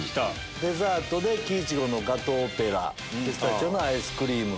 デザートで木苺のガトーオペラピスタチオのアイスクリーム。